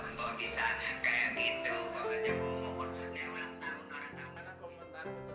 jika tidak mereka akan berubah menjadi jalan bagi para penyandang oda